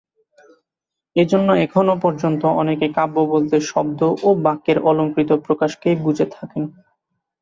এজন্য এখনও পর্যন্ত অনেকে কাব্য বলতে শব্দ ও বাক্যের অলঙ্কৃত প্রকাশকেই বুঝে থাকেন।